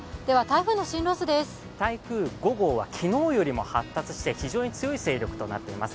台風５号は昨日よりも発達して、非常に強い勢力となっています。